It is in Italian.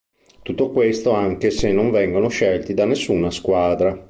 Tutto questo anche se non vengono scelti da nessuna squadra.